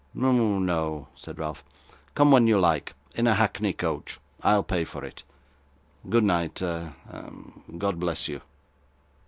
'Oh no,' said Ralph; 'come when you like, in a hackney coach I'll pay for it. Good night a a God bless you.